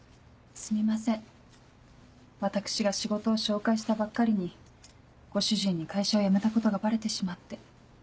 私が仕事を紹介したばっかりにご主人に会社を辞めたことがバレてしまって。